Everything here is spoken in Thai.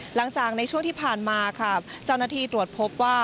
หลังจากในช่วงที่ผ่านมาค่ะเจ้าหน้าที่ตรวจพบว่า